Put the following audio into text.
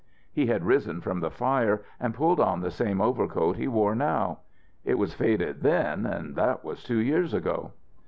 He had risen from the fire and pulled on the same overcoat he wore now. It was faded then, and that was two years ago.